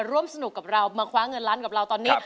ร่วมสนุกกับเรามาคว้าเงินล้านกับเราตอนนี้